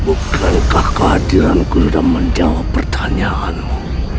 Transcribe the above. bukankah kehadiranku dan menjawab pertanyaanmu